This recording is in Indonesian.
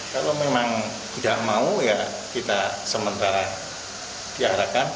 kalau memang tidak mau ya kita sementara diarahkan